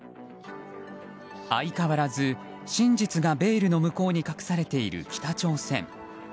相変わらず真実がベールの向こうに隠されている北朝鮮。